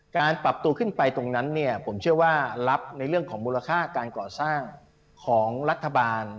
การปรับตัวขึ้นไปตรงนั้นเนี่ยผมเชื่อว่ารับในเรื่องของมูลค่าการก่อสร้างของรัฐบาล